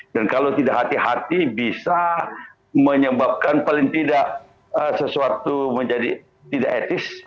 dan kalau tidak hati hati bisa menyebabkan paling tidak sesuatu menjadi tidak etis